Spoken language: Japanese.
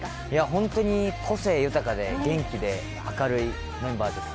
ホントに個性豊かで元気で明るいメンバーです。